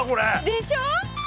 でしょ！